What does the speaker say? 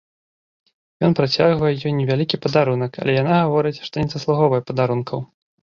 Ён працягвае ёй невялікі падарунак, але яна гаворыць, што не заслугоўвае падарункаў.